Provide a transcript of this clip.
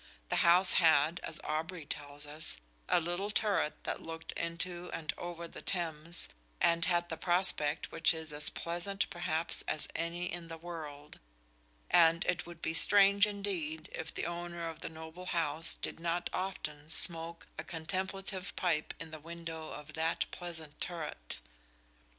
The house had, as Aubrey tells us, "a little turret that looked into and over the Thames, and had the prospect which is as pleasant perhaps as any in the world"; and it would be strange indeed if the owner of the noble house did not often smoke a contemplative pipe in the window of that pleasant turret.